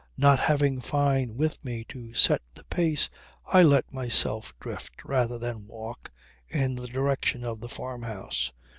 Not having Fyne with me to set the pace I let myself drift, rather than walk, in the direction of the farmhouse.